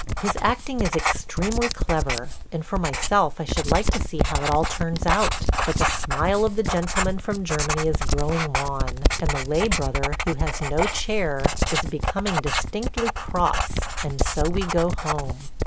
His acting is extremely clever, and for myself I should like to see how it all turns out; but the smile of the Gentleman from Germany is growing wan, and the Lay brother, who has no chair, is becoming distinctly cross, and so we go home.